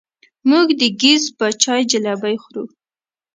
موږ د ګیځ په چای جلبۍ خورو.